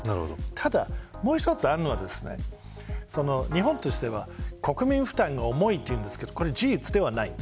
ただ、もう一つあるのは日本としては国民負担が重いといいますがこれは事実ではありません。